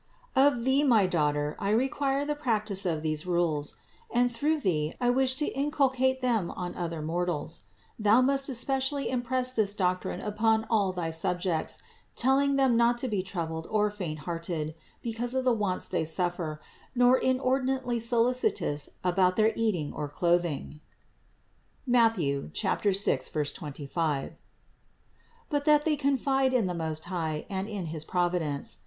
Of thee, my daughter, I require the practice of these rules, and through thee I wish to incul cate them on other mortals. Thou must especially im press this doctrine upon all thy subjects, telling them not to be troubled or faint hearted because of the wants they suffer, nor inordinately solicitous about their eating or clothing (Matth. 6, 25), but that they confide in the Most High and in his Providence.